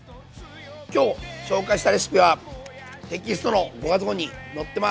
今日紹介したレシピはテキストの５月号に載ってます。